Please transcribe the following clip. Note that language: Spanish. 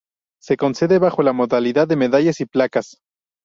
Se concede bajo la modalidad de medallas y placas.